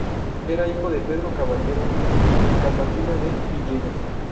Era hijo de Pedro Caballero y Catalina de Villegas.